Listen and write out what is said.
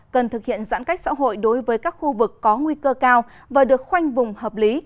cần thực hiện giãn cách xã hội đối với các khu vực có nguy cơ cao và được khoanh vùng hợp lý